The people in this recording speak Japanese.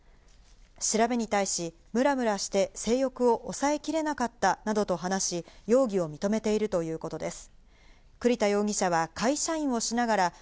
調べに対し、ムラムラして性欲を抑えきれなかったなどと話し、容疑を認めているということです。